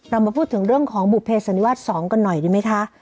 มาพูดถึงเรื่องของบุภเสันนิวาส๒กันหน่อยดีไหมคะ